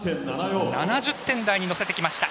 ７０点台にのせてきました。